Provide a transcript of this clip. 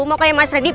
mau kayak mas randy